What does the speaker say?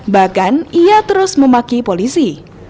bahkan ia terus memaki polisi